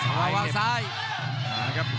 คมทุกลูกจริงครับโอ้โห